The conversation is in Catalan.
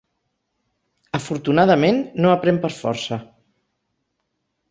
Afortunadament no aprèn per força.